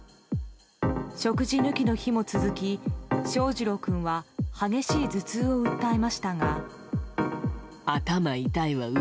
食事抜きの日も続き翔士郎君は激しい頭痛を訴えましたが。